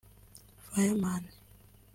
Fireman